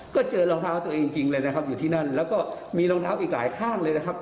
ก็เจอรองเท้าตัวเองจริงเลยนะครับอยู่ที่นั่นแล้วก็มีรองเท้าอีกหลายข้างเลยนะครับ